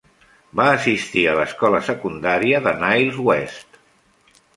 Va assistir a l'escola secundària de Niles West.